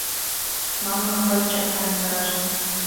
Мамык пырчак таҥнаже